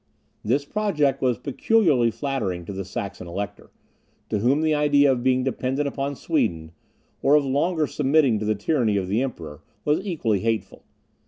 This project was peculiarly flattering to the Saxon Elector, to whom the idea of being dependent upon Sweden, or of longer submitting to the tyranny of the Emperor, was equally hateful.